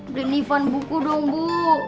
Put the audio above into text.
beliin nih van buku dong bu